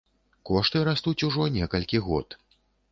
Кошты растуць ужо некалькі год.